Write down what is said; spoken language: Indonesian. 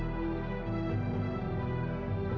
ini adasnya apakah membagi makan laba anda